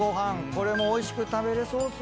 これもおいしく食べれそうですね。